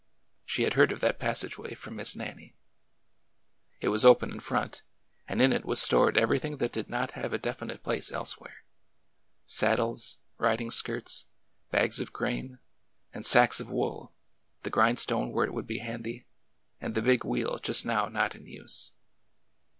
She had heard of that passageway from Miss Nannie. It was open in front, and in it was stored everything that did not have a definite place elsewhere — saddles, riding skirts, bags of grain, and sacks of wool, the grind stone where it would be handy, and the big wheel just now not in use.